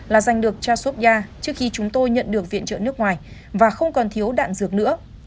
là giành được cho sobia trước khi chúng tôi nhận được viện trợ nước ngoài và không còn thiếu đạn dược nữa